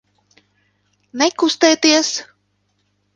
Nekustēties!